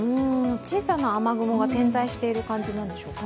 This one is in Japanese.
小さな雨雲が点在している感じなんでしょうか。